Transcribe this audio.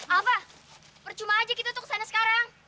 alva percuma aja kita untuk kesana sekarang